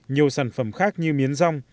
nhiều sản phẩm khác như miến rong